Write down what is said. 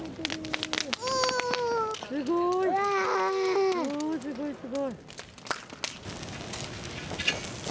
すごい。